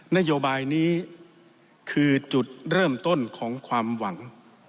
นโยบายนี้คือจุดเริ่มต้นของความหวัง